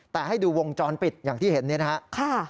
แต่ให้ดูวงจรปิดอย่างที่เห็นเนี่ยนะครับ